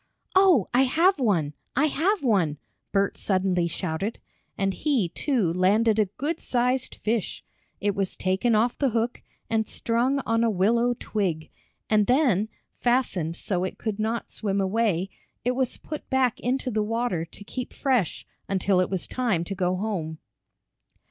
"Oh, I have one! I have one!" Bert suddenly shouted, and he, too, landed a good sized fish. It was taken off the hook, and strung on a willow twig, and then, fastened so it could not swim away, it was put back into the water to keep fresh until it was time to go home.